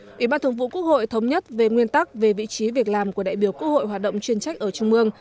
ủy ban thường vụ quốc hội thống nhất về nguyên tắc về vị trí việc làm của đại biểu quốc hội hoạt động chuyên trách ở trung ương